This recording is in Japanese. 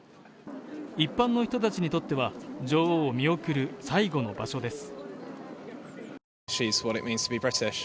一般の人たちにとっては、女王を見送る最後の場所です。